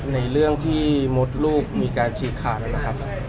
ในเรื่องที่มดลูกมีการฉีกขาดนะครับ